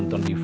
ngari si emak